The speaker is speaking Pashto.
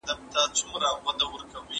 د لاس لیکنه د پوهي د خپرولو اصلي لاره ده.